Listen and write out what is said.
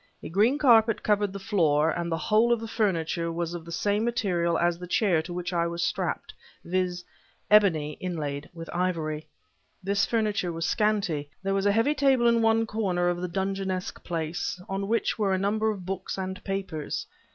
A green carpet covered the floor, and the whole of the furniture was of the same material as the chair to which I was strapped, viz: ebony inlaid with ivory. This furniture was scanty. There was a heavy table in one corner of the dungeonesque place, on which were a number of books and papers.